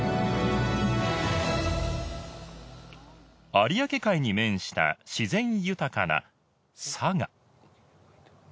有明海に面した自然豊かな佐賀